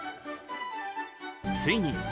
ついに。